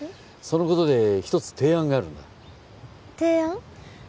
そのことで１つ提案があるんだ提案？